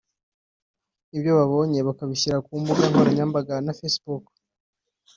ibyo bahabonye bakabishyira ku mbuga nkoranyambaga nka Facebook